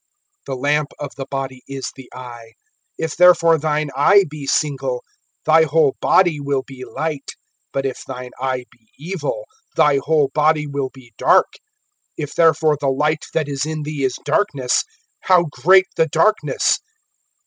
(22)The lamp of the body is the eye. If therefore thine eye be single, thy whole body will be light; (23)but if thine eye be evil, thy whole body will be dark. If therefore the light that is in thee is darkness, how great the darkness!